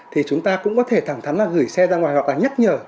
thì chúng ta cũng có thể thẳng thắn là gửi xe ra ngoài hoặc là nhắc nhở